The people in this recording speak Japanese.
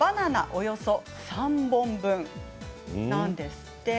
およそ３本分なんですって。